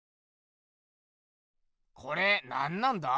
これなんなんだ？